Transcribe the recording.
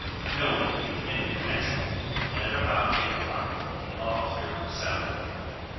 No one paid any attention and at about eight o'clock, the all clear was sounded.